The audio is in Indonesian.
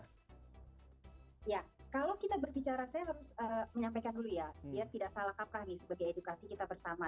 ya kalau kita berbicara saya harus menyampaikan dulu ya tidak salah kaprah nih sebagai edukasi kita bersama